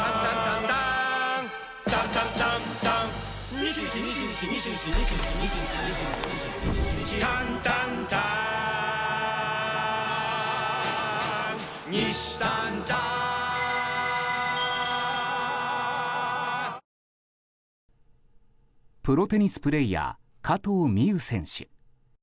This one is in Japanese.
ニトリプロテニスプレーヤー加藤未唯選手。